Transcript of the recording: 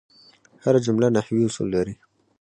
هره جمله نحوي اصول لري.